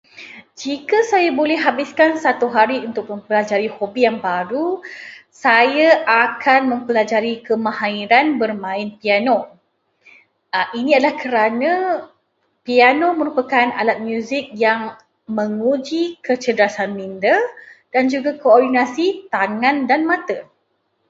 Jika saya boleh habiskan satu hari untuk mempelajari hobi yang baru, saya akan mempelajari kemahiran bermain piano. Ini adalah kerana piano merupakan alat muzik yang menguji kecerdasan minda dan juga koordinasi tangan dan mata.